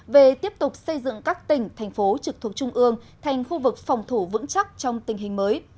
về tiếp tục xây dựng các tỉnh thành phố trực thuộc trung ương thành khu vực phòng thủ vững chắc trong tình hình mới